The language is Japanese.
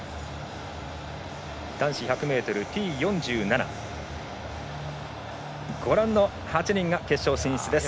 男子１００ｍＴ４７ご覧の８人が決勝進出です。